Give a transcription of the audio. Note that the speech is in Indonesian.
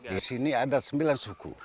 di sini ada sembilan suku